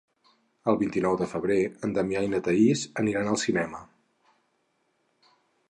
El vint-i-nou de febrer en Damià i na Thaís aniran al cinema.